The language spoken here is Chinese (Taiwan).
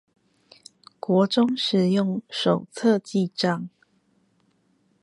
國中時用手冊記帳